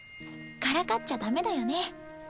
からかっちゃダメだよね。